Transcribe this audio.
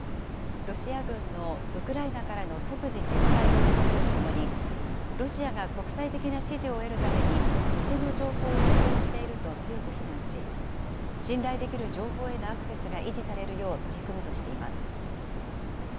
ロシア軍のウクライナからの即時撤退を求めるとともに、ロシアが国際的な支持を得るために、偽の情報を使用していると強く非難し、信頼できる情報へのアクセスが維持されるよう取り組むとしています。